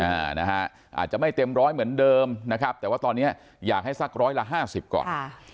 อ่านะฮะอาจจะไม่เต็มร้อยเหมือนเดิมนะครับแต่ว่าตอนเนี้ยอยากให้สักร้อยละห้าสิบก่อนค่ะ